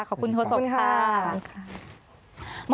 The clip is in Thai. ขอบคุณโทษก่อนค่ะขอบคุณค่ะขอบคุณค่ะขอบคุณค่ะ